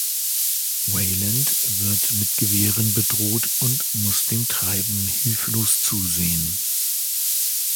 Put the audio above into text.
Wayland wird mit Gewehren bedroht und muss dem Treiben hilflos zusehen.